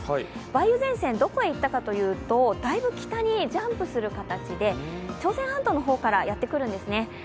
梅雨前線どこへいったかというと、だいぶ北にジャンプする形で朝鮮半島の方からやってくるんですね。